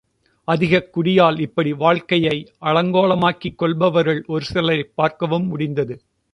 அதிகக் குடியால் இப்படி வாழ்க்கையை அலங்கோலமாக்கிக் கொள்பவர்கள் ஒரு சிலரைப் பார்க்கவும் முடிந்தது.